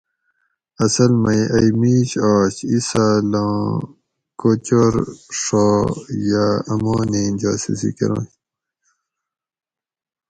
اصل مئی ائی مِیش آش اِیساۤلاں کوچور ڛا یاۤ امانیں جاسوسی کۤرنش